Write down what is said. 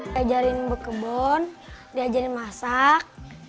diajarin berkebun diajarin masak